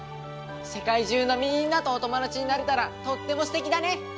世界中のみんなとお友達になれたらとってもすてきだね！